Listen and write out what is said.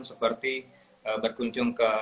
seperti berkunjung ke